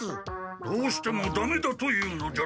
どうしてもダメだと言うのじゃな？